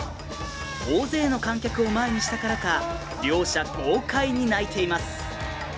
大勢の観客を前にしたからか両者、豪快に泣いています。